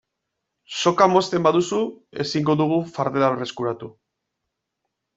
Soka mozten baduzu ezingo dugu fardela berreskuratu.